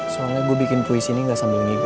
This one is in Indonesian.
soalnya gue bikin puisi ini gak sambil minggu